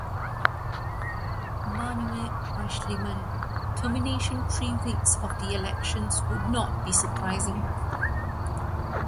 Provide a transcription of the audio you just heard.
Manuel Aeschlimann, termination three weeks of the elections would not be surprising.